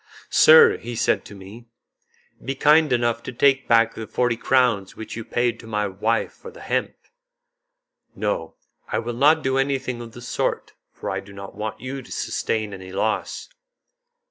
"Sir," he said to me, "be kind enough to take back the forty crowns which you paid to my wife for the hemp." "No, I will not do anything of the sort, for I do not want you to sustain any loss."